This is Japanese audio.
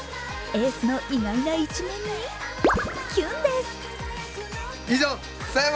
エースの意外な一面にキュンです。